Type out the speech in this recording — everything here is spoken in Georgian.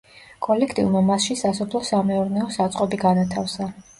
კოლექტივმა მასში სასოფლო სამეურნეო საწყობი განათავსა.